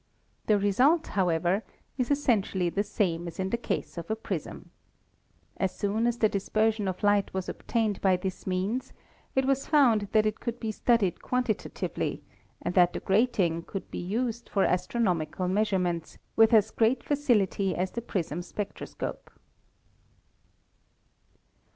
The result, however, is essentially the same as in the case of the prism. As soon as the dispersion of light was obtained by this means it was found that it could be stud ied quantitatively, and that the grating could be used for Fig. 6 — Kirchoff's Spectroscope. astronomical measurements with as great facility as the prism spectroscope.